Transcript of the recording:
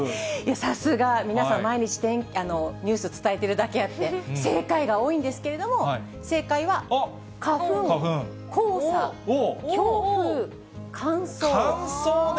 さすが、皆さん、毎日ニュース伝えてるだけあって、正解が多いんですけれども、正解は花粉、黄砂、強風、乾燥ね。